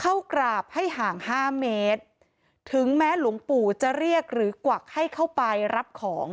เข้ากราบให้ห่างห้าเมตรถึงแม้หลวงปู่จะเรียกหรือกวักให้เข้าไปรับของ